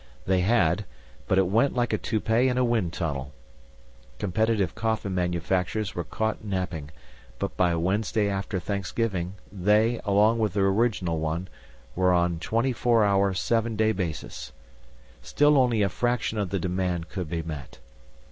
They had, but it went like a toupee in a wind tunnel. Competitive coffin manufacturers were caught napping, but by Wednesday after Thanksgiving they, along with the original one, were on a twenty four hour, seven day basis. Still only a fraction of the demand could be met.